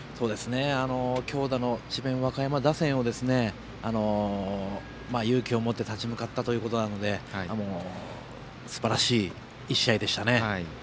強打の智弁和歌山打線に勇気を持って立ち向かったということなのですばらしい１試合でしたね。